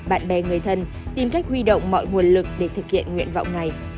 bạn bè người thân tìm cách huy động mọi nguồn lực để thực hiện nguyện vọng này